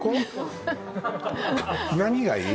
何がいい？